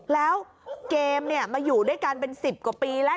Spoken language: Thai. แล้วเกมมาอยู่ด้วยกันเป็น๑๐กว่าปีแล้ว